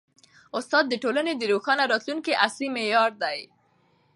استاد د ټولني د روښانه راتلونکي اصلي معمار دی.